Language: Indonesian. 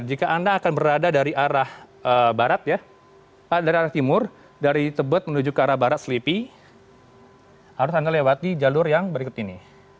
jika anda akan berada dari arah barat ya dari arah timur dari tebet menuju ke arah barat selipi harus anda lewati jalur yang berikut ini